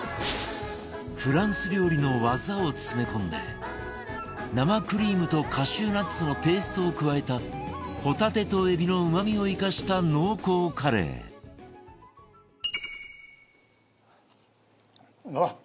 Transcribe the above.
フランス料理の技を詰め込んで生クリームとカシューナッツのペーストを加えたほたてと海老のうまみを生かした濃厚カレーあっ！